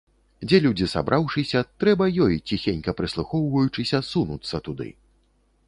Дзе людзі сабраўшыся, трэба ёй, ціхенька прыслухоўваючыся, сунуцца туды.